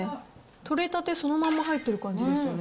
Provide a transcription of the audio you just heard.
取れたてそのまま入ってる感じですよね。